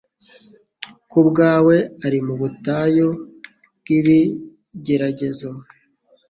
ku bwawe ari mu butayu bw’ibigeragezo